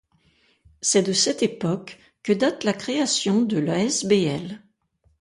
C'est de cette époque que date la création de l'a.s.b.l.